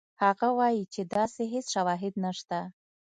هغه وایي چې داسې هېڅ شواهد نشته.